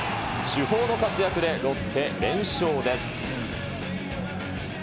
主砲の活躍でロッテ連勝です。